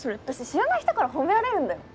知らない人から褒められるんだよ？